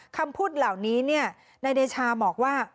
คำพูดเหล่านี้นายเดชาบอกว่า